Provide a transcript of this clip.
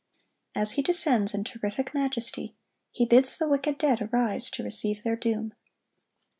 As He descends in terrific majesty, He bids the wicked dead arise to receive their doom.